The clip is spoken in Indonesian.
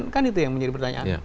kan itu yang menjadi pertanyaan